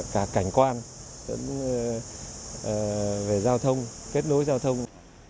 cả cảnh quan về giao thông kết nối giao thông